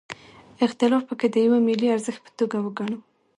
اختلاف پکې د یوه ملي ارزښت په توګه وګڼو.